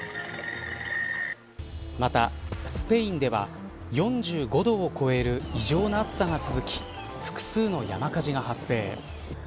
また、スペインでは４５度を超える異常な暑さが続き複数の山火事が発生。